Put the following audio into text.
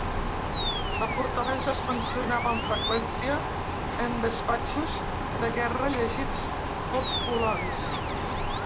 La fortalesa es mencionava amb freqüència en despatxos de guerra llegits pels colons.